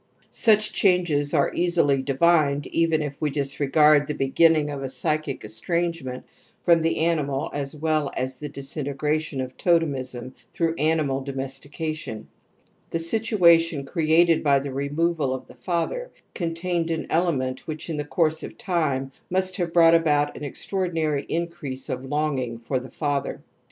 Such changes are easily divined even if we dis regard the beginning of a psychic estrangement from the animal as well as the disintegration of totemism through animal domestication ®'. The situation created by the removal of the father contained an element which in the course of time must have brought about an extraprdinaigzL inrrpMp of lon ging fo r the fathe r.